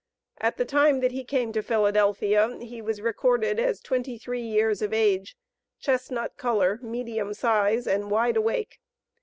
At the time that he came to Philadelphia, he was recorded as twenty three years of age, chestnut color, medium size, and wide awake.